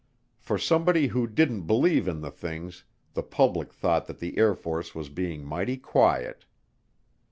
For somebody who didn't believe in the things, the public thought that the Air Force was being mighty quiet.